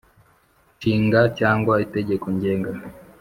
Nshinga cyangwa itegeko ngenga